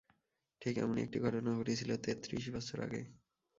ঠিক এমনই একটি ঘটনা ঘটেছিলো তেত্রিশ বছর আগে।